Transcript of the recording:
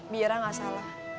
biira gak salah